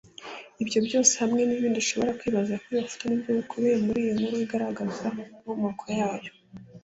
Ibi byose hamwe n'ibindi ushobora kwibaza kuri iyi foto nibyo bikubiye muri iyi nkuru igaragaza inkomoko yayo